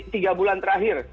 tiga bulan terakhir